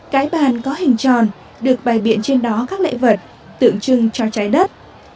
cái bàn có hình tròn được bày biện trên đó các lễ vật tượng trưng cho trái đất